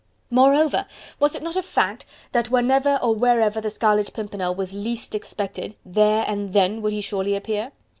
Moreover, was it not a fact that whenever or wherever the Scarlet Pimpernel was least expected there and then would he surely appear?